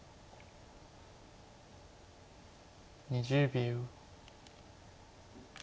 ２０秒。